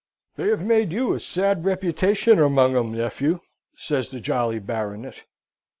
"They have made you a sad reputation among 'em, nephew!" says the jolly Baronet.